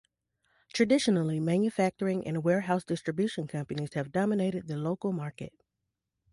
Traditionally, manufacturing and warehouse distribution companies have dominated the local market.